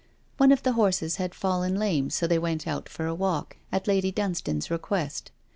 One of the horses had fallen lame, so they went out for a walk, at Lady Dunstane's request.